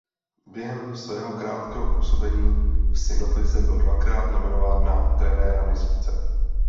Během svého krátkého působení v Synot lize byl dvakrát nominován na trenéra měsíce.